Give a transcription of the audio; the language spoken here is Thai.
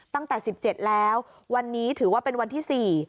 ตั้งแต่๑๗แล้ววันนี้ถือว่าเป็นวันที่๔